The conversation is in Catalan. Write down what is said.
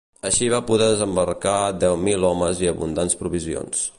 Així va poder desembarcar deu mil homes i abundants provisions.